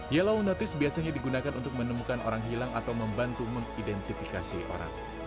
yellow notice biasanya digunakan untuk menemukan orang hilang atau membantu mengidentifikasi orang